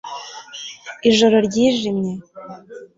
Ijoro ryijimye